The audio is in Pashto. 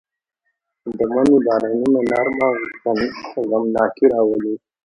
د مني بارانونه نرمه غمناکي راولي